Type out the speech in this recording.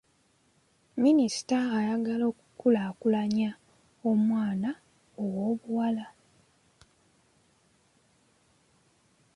Minisita ayagala okukulaakulanya omwana ow'obuwala.